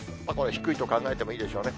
低いと考えてもいいでしょうね。